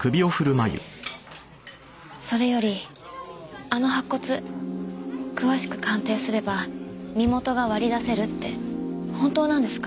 それよりあの白骨詳しく鑑定すれば身元が割り出せるって本当なんですか？